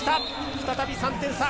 再び３点差。